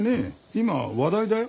今話題だよ。